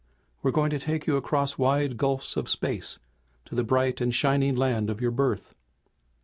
We're going to take you across wide gulfs of space to the bright and shining land of your birth."